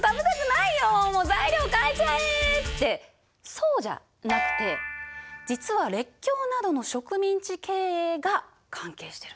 そうじゃなくて実は列強などの植民地経営が関係してるの。